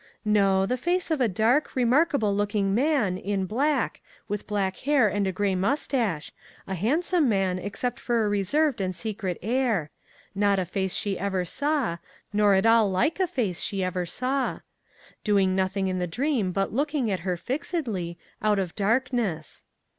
'No. The face of a dark, remarkable looking man, in black, with black hair and a grey moustache—a handsome man except for a reserved and secret air. Not a face she ever saw, or at all like a face she ever saw. Doing nothing in the dream but looking at her fixedly, out of darkness.